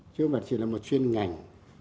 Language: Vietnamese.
chứ không phải chỉ là một chuyên ngành